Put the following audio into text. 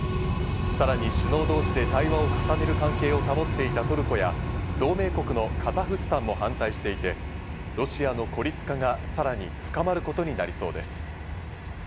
さらに首脳同士で対話を重ねる関係を保っていたトルコや、同盟国のカザフスタンも反対していて、ロシアの孤立化がさらに深まることになりそうです。